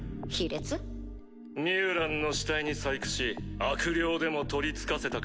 ミュウランの死体に細工し悪霊でも取りつかせたか？